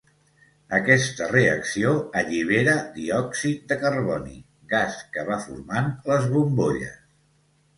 Aquesta reacció allibera diòxid de carboni, gas que va formant les bombolles.